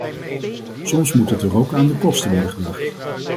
Soms moet er toch ook aan de kosten worden gedacht.